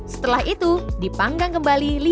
setelah itu dipanggang kembali